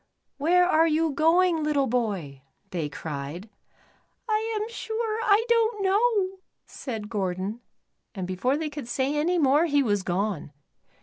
"Where are you going, little boy?" they cried. " I am sure, I don't know," said Gordon, and before they could say any more he was gone.